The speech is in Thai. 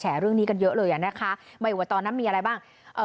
เรื่องนี้กันเยอะเลยอ่ะนะคะไม่ว่าตอนนั้นมีอะไรบ้างเอ่อ